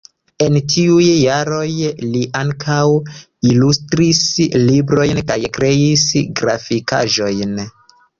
En tiuj jaroj li ankaŭ ilustris librojn kaj kreis grafikaĵojn.